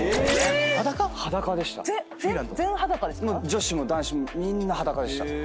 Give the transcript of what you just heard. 女子も男子もみんな裸でした。